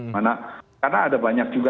karena ada banyak juga